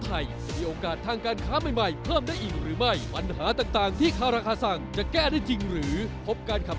คุยกันสนุกสนานดีไม่มีอะไรครับ